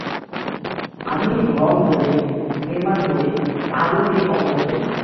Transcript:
আমি রং করি, নির্মাণ করি, আলো দিয়ে কম্পোজ করি।